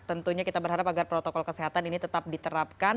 tentunya kita berharap agar protokol kesehatan ini tetap diterapkan